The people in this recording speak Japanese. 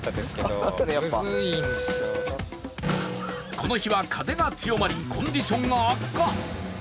この日は風が強まり、コンディションが悪化。